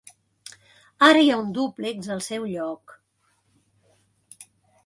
Ara hi ha un dúplex al seu lloc.